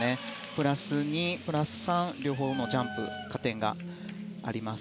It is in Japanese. プラス２、プラス３両方のジャンプ加点があります。